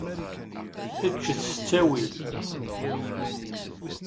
Ččet s ttawil.